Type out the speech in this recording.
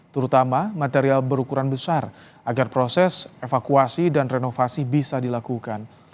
terutama material berukuran besar agar proses evakuasi dan renovasi bisa dilakukan